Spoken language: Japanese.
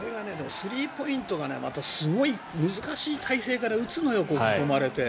スリーポイントがまた難しい体勢から打つのよ囲まれて。